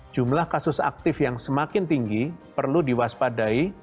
jumlah kasus aktif yang semakin tinggi perlu diwaspadai